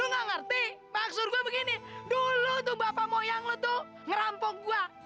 lo gak ngerti maksud gue begini dulu tuh bapak moyang lo tuh ngerampok gue